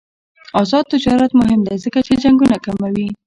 آزاد تجارت مهم دی ځکه چې جنګونه کموي.